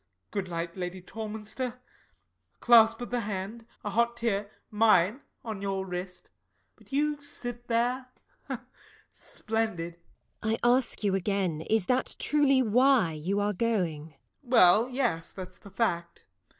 "Good night, Lady Torminster." A clasp of the hand a hot tear mine on your wrist. But you sit there. Splendid! LADY TORMINSTER. I ask you again is that truly why you are going? SIR GEOFFREY. Well, yes, that's the fact.